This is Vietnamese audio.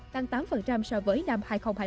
tăng tám so với năm hai nghìn hai mươi hai